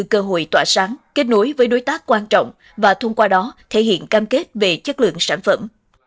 cơ hội tỏa sáng kết nối với đối tác quan trọng và thông qua đó thể hiện cam kết về chất lượng sản phẩm